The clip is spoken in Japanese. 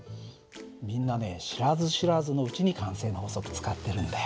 みんなね知らず知らずのうちに慣性の法則使ってるんだよ。